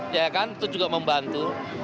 ya kan itu juga membantu